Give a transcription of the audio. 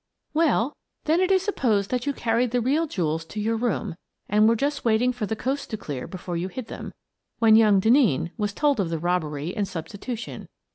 " Well, then it is supposed that you carried the real jewels to your room, and were just waiting for the coast to clear before you hid them, when young Denneen was told of the robbery and substitution.